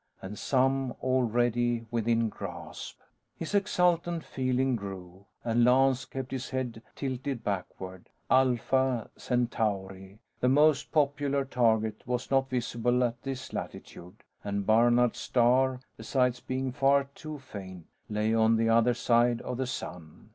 And some already within grasp! His exultant feeling grew, and Lance kept his head tilted backward. Alpha Centauri, the most popular target, was not visible at this latitude; and Barnard's star, besides being far too faint, lay on the other side of the sun.